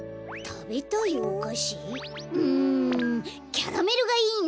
キャラメルがいいな！